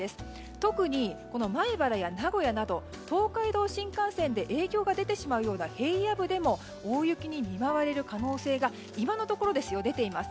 特に米原や名古屋でも東海道新幹線で影響が出てしまう平野部でも大雪に見舞われる可能性が今のところ出ています。